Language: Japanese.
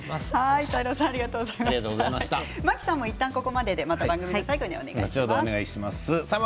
真木さんは、いったんここまででまた番組の最後にお願いします。